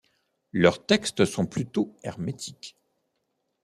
Leurs textes sont plutôt hermétiques.